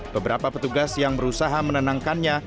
beberapa petugas yang berusaha menenangkannya